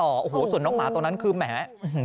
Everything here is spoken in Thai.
โอ้โหส่วนน้องหมาตัวนั้นคือแหม